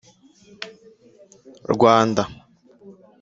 Rwanda